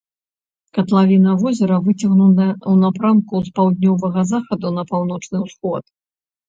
Катлавіна возера выцягнутая ў напрамку з паўднёвага захаду на паўночны ўсход.